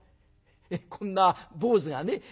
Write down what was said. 「こんな坊主がね